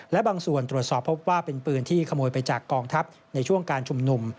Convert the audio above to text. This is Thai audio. และบางส่วนตรวจสอบพบว่าเป็นปืนที่ขโมยไปจากกองทัพในช่วงการชุมนุม